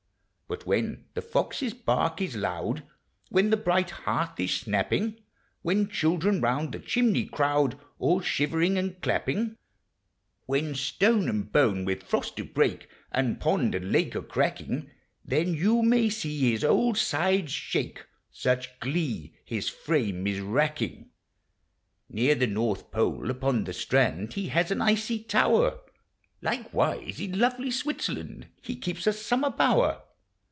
But when the fox's bark is loud ; When the bright hearth is snapping; THE SEASONS. 173 When children round the chimney crowd, All shivering and clapping; — When stone and bone with frost do break, And pond and lake are cracking, — Then you may see his old sides shake, Such glee his frame is racking. Near the North Pole, upon the si mud, He has an icy tower; Likewise in lovely Switzerland He keeps a summer bower.